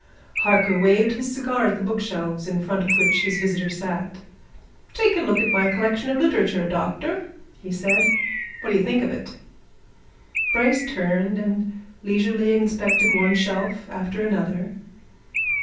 Harker waved his cigar at the book shelves in front of which his visitor sat. "Take a look at my collection of literature, doctor," he said. "What d'ye think of it?" Bryce turned and leisurely inspected one shelf after another.